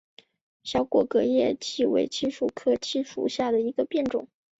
小果革叶槭为槭树科槭属下的一个变种。